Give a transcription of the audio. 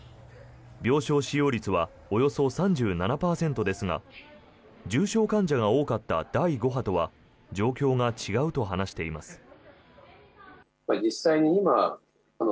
病床使用率はおよそ３７％ですが重症患者が多かった第５波とは状況が違うと話しています。